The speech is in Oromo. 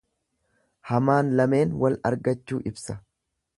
Hamaan lameen wal argachuu ibsa.